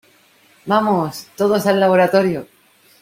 ¡ vamos! ¡ todos al laboratorio !